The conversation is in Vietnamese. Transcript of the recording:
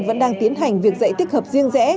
vẫn đang tiến hành việc dạy tích hợp riêng rẽ